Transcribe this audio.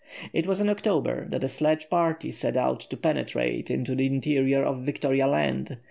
It was in October that a sledge party set out to penetrate into the interior of Victoria Land.